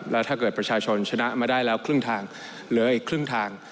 แล้วถ้าเกิดประชาชนชนะมาได้แล้วครึ่งทางเหลืออีกครึ่งทาง